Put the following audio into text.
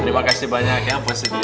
terima kasih banyak ya gandum